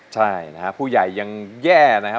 ใช่นะฮะผู้ใหญ่ยังแย่นะครับ